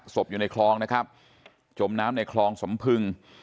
อยู่ในคลองนะครับจมน้ำในคลองสมพึง